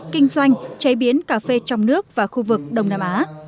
kinh doanh chế biến cà phê trong nước và khu vực đông nam á